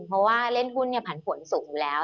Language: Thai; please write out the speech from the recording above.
เพราะว่าเล่นหุ้นนี่ผันผลสูงแล้ว